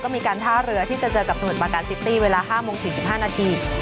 มีการท่าเรือที่จะเจอกับสมุทรปาการซิตี้เวลา๕โมง๔๕นาที